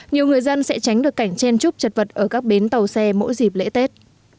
nhiều người dân sẽ tránh được cảnh chen trúc chật vật ở các bến tàu xe mỗi dịp lễ tết